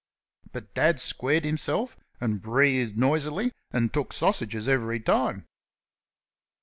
But Dad squared himself and breathed noisily and took sausages every time.